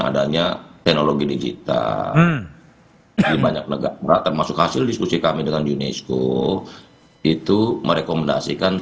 adanya teknologi digital di banyak negara termasuk hasil diskusi kami dengan unesco itu merekomendasikan